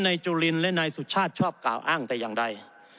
จุลินและนายสุชาติชอบกล่าวอ้างแต่อย่างใด